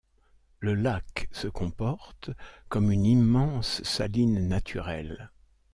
Le lac se comporte comme une immense saline naturelle.